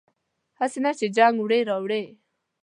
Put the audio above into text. هسې نه چې جنګ وي وړی